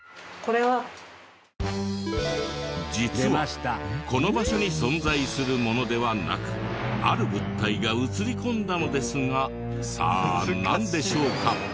実はこの場所に存在するものではなくある物体が写り込んだのですがさあなんでしょうか？